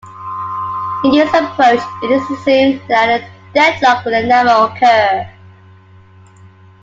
In this approach, it is assumed that a deadlock will never occur.